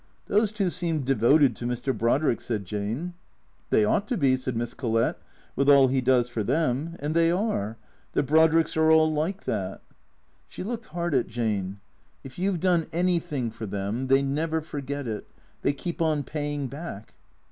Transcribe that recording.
" Those two seem devoted to Mr. Brodrick," said Jane. " They ought to be," said Miss Collett, " with all he does for them. And they are. The Brodricks are all like that." She looked hard at Jane. " If you 've done anything for them, they never forget it. They keep on paying back."